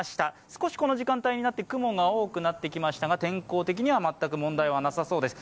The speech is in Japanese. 少しこの時間帯になって雲が多くなってきましたが天候的には全く問題なさそうです。